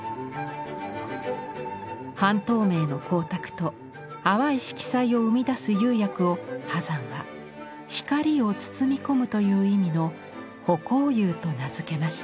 半透明の光沢と淡い色彩を生み出す釉薬を波山は光を包み込むという意味の「葆光釉」と名付けました。